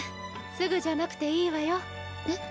すぐじゃなくていいわよ。え？